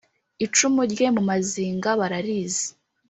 icumu rye mu mazinga bararizi